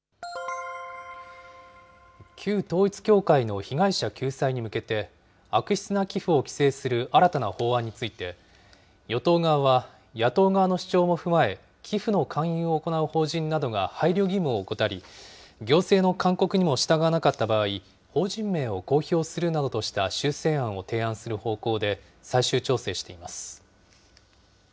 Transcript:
旧統一教会の被害者救済に向けて、悪質な寄付を規制する新たな法案について、与党側は野党側の主張も踏まえ、寄付の勧誘を行う法人などが配慮義務を怠り、行政の勧告にも従わなかった場合、法人名を公表するなどとした修正案を提案する方向で最終調整しています。